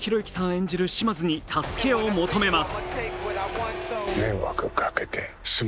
演じるシマヅに助けを求めます。